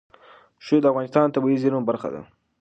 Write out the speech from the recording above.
ښتې د افغانستان د طبیعي زیرمو برخه ده.